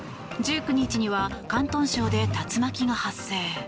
１９日には広東省で竜巻が発生。